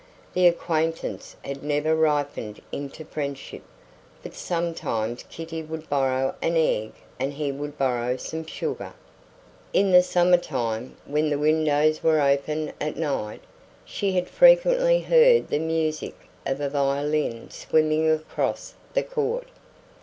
The acquaintance had never ripened into friendship; but sometimes Kitty would borrow an egg and he would borrow some sugar. In the summertime, when the windows were open at night, she had frequently heard the music of a violin swimming across the court.